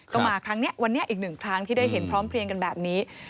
ก็มาครั้งนี้วันนี้อีกหนึ่งครั้งที่ได้เห็นพร้อมเพลียงกันแบบนี้